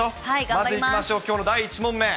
まずいきましょう、きょうの第１問目。